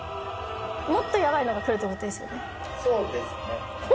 もっとやばいのが来ると思っそうですね。